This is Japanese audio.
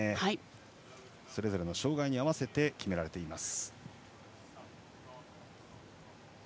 それぞれ障がいに合わせて決められています。